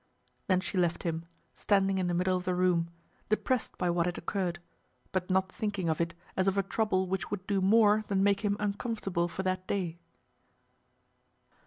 Then she left him, standing in the middle of the room, depressed by what had occurred, but not thinking of it as of a trouble which would do more than make him uncomfortable for that day.